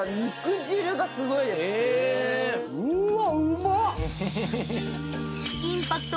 うわ！